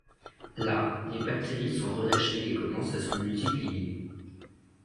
Là, les bactéries sont relâchées et commencent à se multiplier.